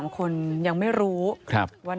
น้องหายแล้วน้องจะตามมา